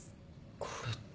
これって。